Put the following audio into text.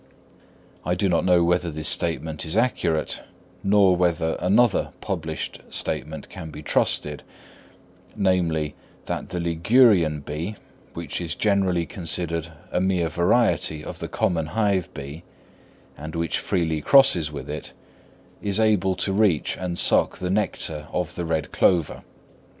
I do not know whether this statement is accurate; nor whether another published statement can be trusted, namely, that the Ligurian bee, which is generally considered a mere variety of the common hive bee, and which freely crosses with it, is able to reach and suck the nectar of the red clover.